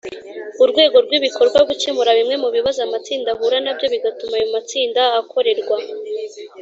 Urwego rw ibikorwa gukemura bimwe mu bibazo amatsinda ahura na byo bigatuma ayo matsinda akorerwa